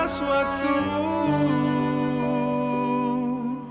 aku tak mudah untuk menanggungmu